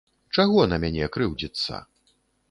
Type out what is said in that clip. Чаго на мяне крыўдзіцца?